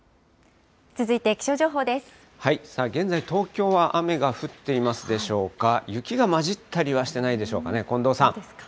現在、東京は雨が降っていますでしょうか、雪が交じったりはしてないでしょうかね、近藤さん。